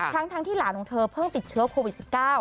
ทั้งที่หลานของเธอเพิ่งติดเชื้อโควิด๑๙